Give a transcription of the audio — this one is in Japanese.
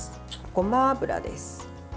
ごま油です。